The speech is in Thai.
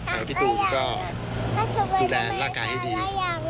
และพี่ตูนก็ดูแลรักษาให้ดี